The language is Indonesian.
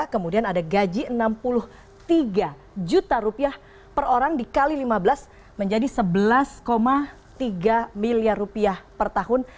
kemudian ada gaji rp enam puluh tiga juta rupiah per orang dikali lima belas menjadi rp sebelas tiga miliar rupiah per tahun